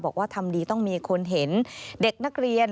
บอกว่าทำดีต้องมีคนเห็นเด็กนักเรียน